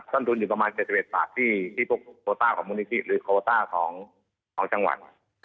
ต้นทุนอยู่ประมาณ๗๑บาทที่พวกโคต้าของมูลนิธิหรือโคต้าของจังหวัด